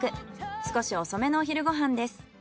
少し遅めのお昼ご飯です。